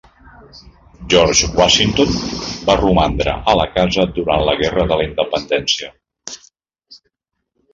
George Washington va romandre a la casa durant la Guerra de la Independència.